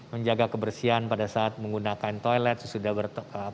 menjaga kebersihan pada saat menggunakan toilet sesudah ber